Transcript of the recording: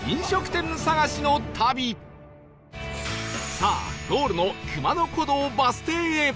さあゴールの熊野古道バス停へ